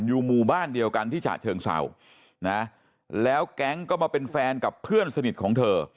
อยู่หมู่บ้านเดียวกันที่ฉะเชิงเศร้านะแล้วแก๊งก็มาเป็นแฟนกับเพื่อนสนิทของเธอ